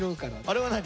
あれは何？